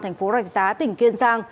thành phố rạch giá tỉnh kiên giang